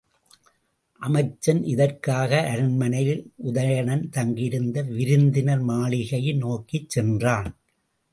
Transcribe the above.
அமைச்சன் இதற்காக அரண்மனையில் உதயணன் தங்கியிருந்த விருந்தினர் மாளிகையை நோக்கிச் சென்றான்.